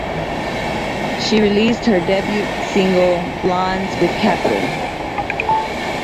She released her debut single "Blondes" with Capitol.